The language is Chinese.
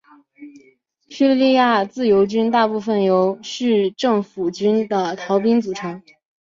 叙利亚自由军大部分由叙政府军的逃兵组成。